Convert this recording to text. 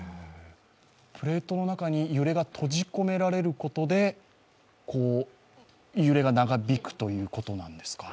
プレートの中に揺れが閉じ込められることで揺れが長引くということなんですか。